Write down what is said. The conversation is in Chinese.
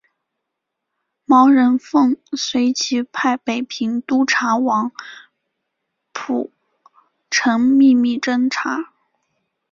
毛人凤随即派北平督察王蒲臣秘密侦查。